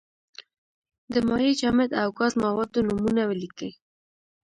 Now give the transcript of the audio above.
د مایع، جامد او ګاز موادو نومونه ولیکئ.